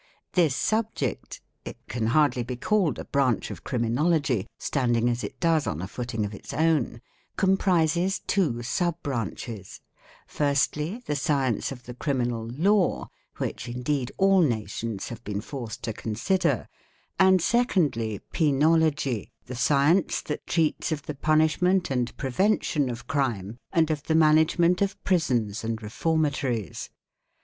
This 'subject—it can hardly be called a branch of Criminology, standing as it 'does on a footing of its own—comprises two sub branches; firstly the science of the criminal law, which indeed all nations have been forced to consider, and secondly penology, the science that treats of the punish ment and prevention of crime and of the management of prisons and reformatories.